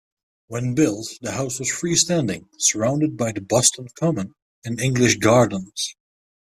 When built, the house was freestanding, surrounded by the Boston Common and English gardens.